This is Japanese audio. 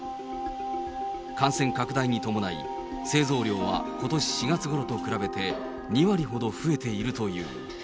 感染拡大に伴い、製造量はことし４月ごろと比べて２割ほど増えているという。